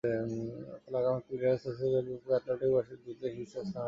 ফলে আগামীকাল রিয়াল সোসিয়েদাদের বিপক্ষে অ্যাটলেটিকো জিতলেই শীর্ষ স্থান হারাতে হবে বার্সাকে।